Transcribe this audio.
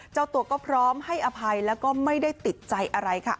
เจ้าตัวก็พร้อมให้อภัยแล้วก็ไม่ได้ติดใจอะไรค่ะ